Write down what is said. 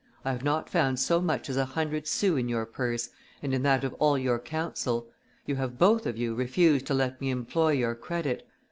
I have not found so much as a hundred sous in your purse and in that of all your council; you have both of you refused to let me employ your credit.